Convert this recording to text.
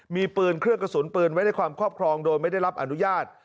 มีปืนเครื่องกระสุนปืนไว้ในความครอบครองโดยไม่ได้รับอนุญาต